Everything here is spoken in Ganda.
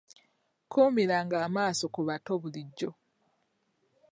Kuumiranga amaaso ku bato bulijjo.